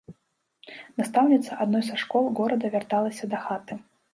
Настаўніца адной са школ горада вярталася дахаты.